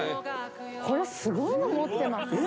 これすごいの持ってません？